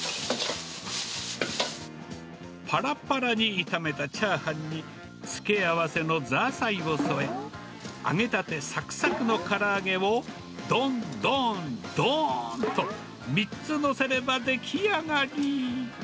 ぱらぱらに炒めたチャーハンに、付け合わせのザーサイを添え、揚げたてさくさくのから揚げを、どん、どん、どーんと３つ載せれば出来上がり。